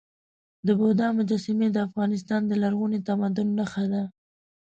د بودا مجسمې د افغانستان د لرغوني تمدن نښه ده.